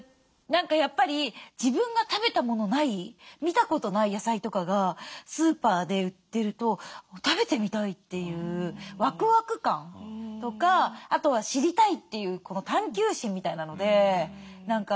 何かやっぱり自分が食べたものない見たことない野菜とかがスーパーで売ってると食べてみたいというワクワク感とかあとは知りたいという探求心みたいなので何かいろいろ買ってみたり食べてみたりしてますね。